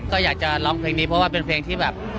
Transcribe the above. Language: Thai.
ก็อยากจะร้องเพลงนี้เพราะว่าเป็นเพลงที่แบบ